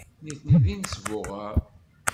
Nitni d inesbuɣar.